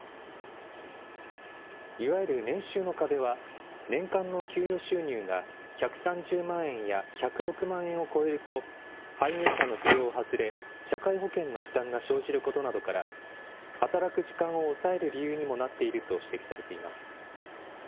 いわゆる年収の壁は、年間の給与収入が１３０万円や１０６万円を超えると、配偶者の扶養を外れ、社会保険の負担が生じることなどから、働く時間を抑える理由にもなっていると指摘されています。